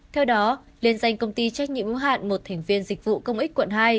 theo đó liên danh công ty trách nhiệm hữu hạn một thành viên dịch vụ công ích quận hai